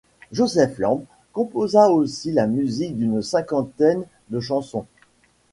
Joseph Lamb composa aussi la musique d'une cinquantaine de chansons.